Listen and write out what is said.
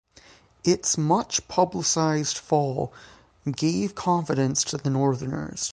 Its much publicized fall gave confidence to the Northerners.